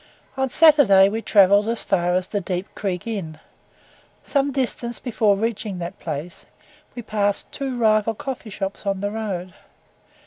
On Saturday we travelled as far as the "Deep Creek Inn." Some distance before reaching that place, we passed two rival coffee shops on the road.